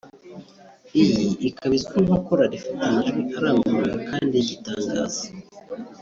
iyi ikaba izwi nka korali ifite amajwi aranguruye kandi y'igitangaza